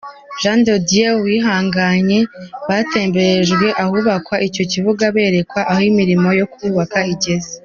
Jean de Dieu Uwihanganye, batemberejwe ahubakwa icyo kibuga, berekwa aho imirimo yo kubaka igeze.